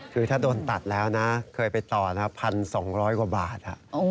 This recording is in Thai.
คือถ้าโดนตัดแล้วนะเคยไปต่อนะ๑๒๐๐กว่าบาท